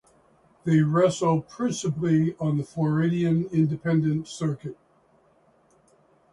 They wrestle principally on the Floridian independent circuit.